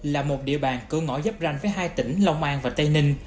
là một địa bàn cư ngõ dấp ranh với hai tỉnh long an và tây ninh